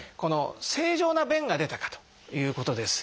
正常な便が出たかということです。